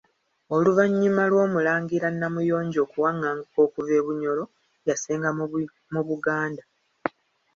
Oluvannyuma lw’Omulangira Namuyonjo okuwaŋŋanguka okuva e Bunyoro, yasenga mu Buganda.